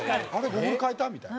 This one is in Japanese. ゴーグル替えた？みたいな。